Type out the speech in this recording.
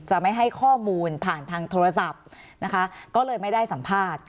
ไม่ให้ข้อมูลผ่านทางโทรศัพท์นะคะก็เลยไม่ได้สัมภาษณ์